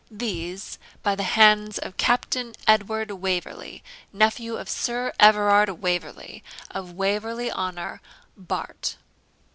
These By the hands of Captain Edward Waverley, nephew of Sir Everard Waverley, of Waverley Honour, Bart.'